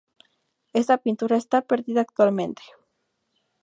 Esta pintura está perdida actualmente.